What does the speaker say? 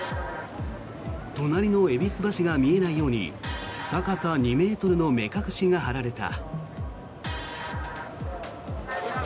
隣の戎橋が見えないように高さ２ｍの目隠しが張られた。